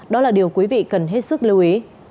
đó là điều quý vị cần hết sức lưu ý